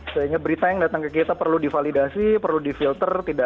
sebenarnya berita yang datang ke kita perlu divalidasi perlu difilter